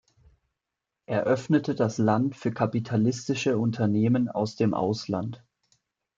Er öffnete das Land für kapitalistische Unternehmen aus dem Ausland.